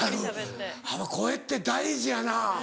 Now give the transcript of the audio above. やっぱ声って大事やな。